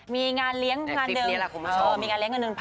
มีงานเลี้ยงออกงานเดิม